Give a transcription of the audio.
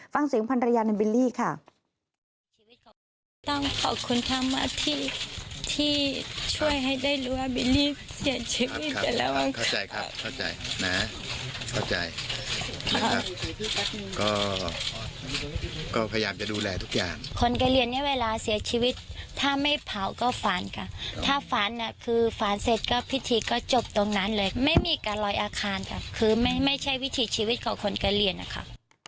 ฟังเสียงพันรยาในบิลลี่ค่ะ